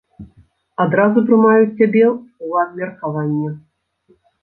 Адразу прымаюць цябе ў абмеркаванне.